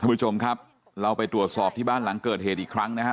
ผู้ชมครับเราไปตรวจสอบที่บ้านหลังเกิดเหตุอีกครั้งนะฮะ